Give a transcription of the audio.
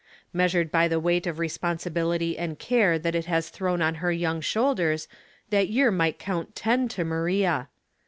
Measured by the weight of responsibility and care that it has thrown on her young shoulders that ^ear might count ten to Maria.